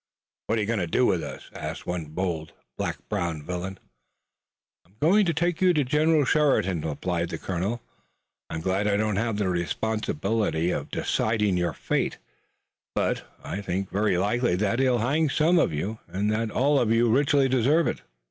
"What are you going to do with us?" asked one bold, black browed villain. "I'm going to take you to General Sheridan," replied the colonel. "I'm glad I don't have the responsibility of deciding your fate, but I think it very likely that he'll hang some of you, and that all of you richly deserve it."